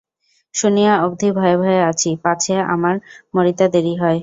শুনিয়া অবধি ভয়ে ভয়ে আছি, পাছে আমার মরিতে দেরি হয়।